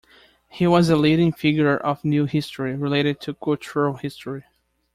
He was a leading figure of New History, related to cultural history.